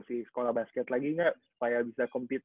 sekolah basket lagi gak supaya bisa compete